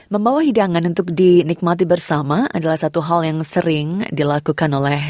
membawa hidangan untuk dinikmati bersama adalah satu hal yang sering dilakukan oleh